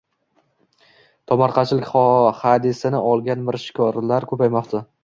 Tomorqachilik hadisini olgan mirishkorlar ko‘paymoqda